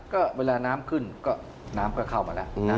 ก็เวลาน้ำขึ้นก็น้ำก็เข้ามาแล้ว